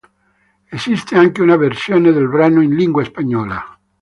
Esiste anche una versione del brano in lingua spagnola.